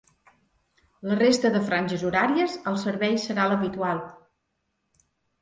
La resta de franges horàries, el servei serà l'habitual.